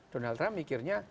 donald trump mikirnya